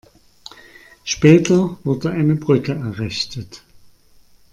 Später wurde eine Brücke errichtet.